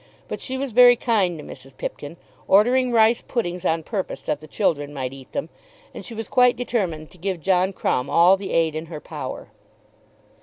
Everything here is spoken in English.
But she was very kind to Mrs. Pipkin, ordering rice puddings on purpose that the children might eat them, and she was quite determined to give John Crumb all the aid in her power.